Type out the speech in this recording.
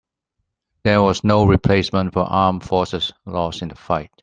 There was no replacement for armed forces lost in the fight.